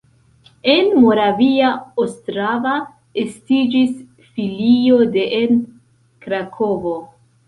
En Moravia Ostrava estiĝis filio de en Krakovo.